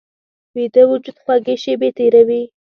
ویده وجود خوږې شیبې تېروي